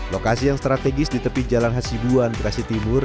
lokasi yang strategis di tepi jalan hasibuan bekasi timur